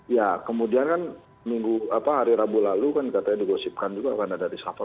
ya kemudian kan hari rabu lalu kan katanya digosipkan juga kan ada reshuffle